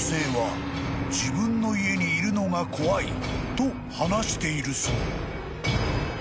［と話しているそう］